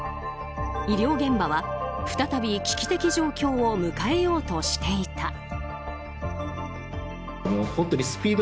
医療現場は再び危機的状況を迎えようとしていた。